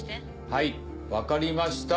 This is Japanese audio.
はい分かりました。